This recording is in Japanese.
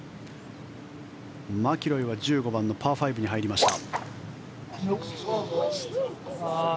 マキロイは１５番のパー５に入りました。